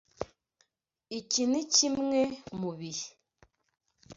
Iki nikimwe mubihe.